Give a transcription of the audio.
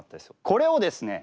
これをですね